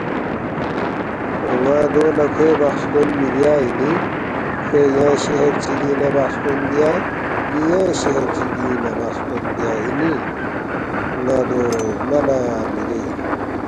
”اون٘ا دو لہ کھوے بخستون مِہ بیا اِنی، کھوے ینگ شہر چِگِنگ نہ بخستون بیا ن٘ی ینگ شہر چِگِنگ نہ بخستون بیا اِنی؟ ن٘ا دو ملا مِہ بے اِن